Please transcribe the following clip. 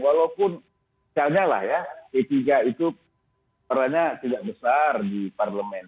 walaupun misalnya lah ya p tiga itu perannya tidak besar di parlemen